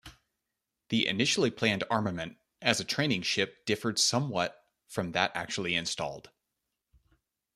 The initially planned armament as a training ship differed somewhat from that actually installed.